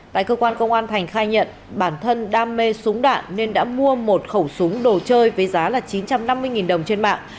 tại cơ quan công an thành khai nhận bản thân đam mê súng đạn nên đã mua một khẩu súng đồ chơi với giá là chín trăm năm mươi đồng trên mạng